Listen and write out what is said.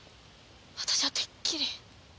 私はてっきり。